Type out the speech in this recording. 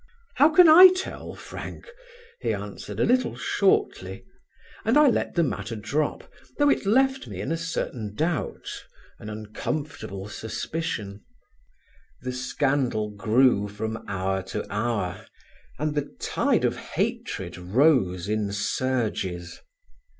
"How can I tell, Frank," he answered a little shortly; and I let the matter drop, though it left in me a certain doubt, an uncomfortable suspicion. The scandal grew from hour to hour, and the tide of hatred rose in surges.